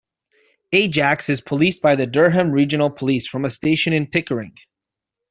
Ajax is policed by the Durham Regional Police from a station in Pickering.